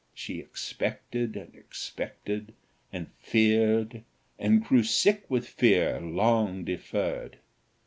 She expected and expected, and feared, and grew sick with fear long deferred.